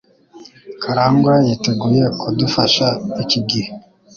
Karangwa yiteguye kudufasha iki gihe.